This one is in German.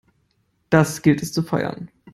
Das gilt es zu feiern!